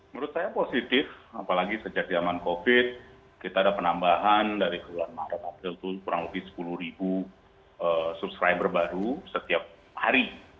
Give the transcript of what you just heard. menurut saya positif apalagi sejak zaman covid kita ada penambahan dari bulan maret april itu kurang lebih sepuluh ribu subscriber baru setiap hari